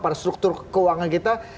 pada struktur keuangan kita